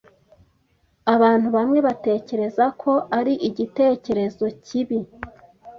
Abantu bamwe batekereza ko ari igitekerezo kibi.